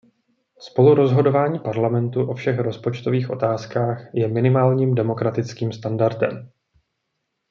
Spolurozhodování Parlamentu o všech rozpočtových otázkách je minimálním demokratickým standardem.